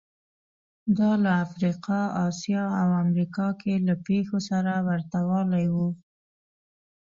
دا له افریقا، اسیا او امریکا کې له پېښو سره ورته والی و